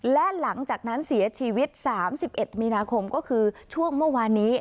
และหลังจากนั้นเสียชีวิต๓๑มีนาคมก็คือช่วงเมื่อวานนี้